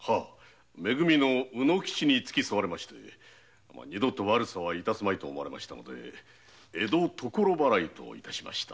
「め組」の卯之吉に付き添われて二度と悪さは致すまいと思いましたので江戸処払いと致しました。